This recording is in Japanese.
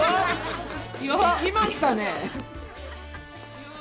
いきましたね。